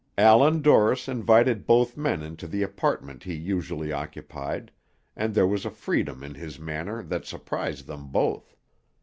Allan Dorris invited both men into the apartment he usually occupied, and there was a freedom in his manner that surprised them both.